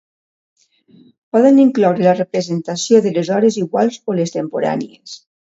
Poden incloure la representació de les hores iguals o les temporànies.